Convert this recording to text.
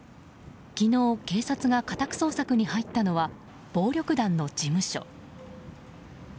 昨日、警察が家宅捜索に入ったのは暴力団の事務所。